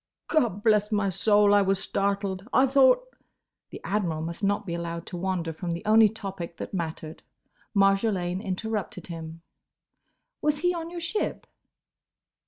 "Gobblessmysoul! I was startled! I thought—" The Admiral must not be allowed to wander from the only topic that mattered. Marjolaine interrupted him. "Was he on your ship?"